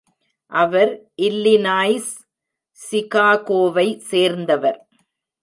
அவர் Illinois, சிகாகோவை சேர்ந்தவர்.